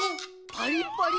パリッパリ。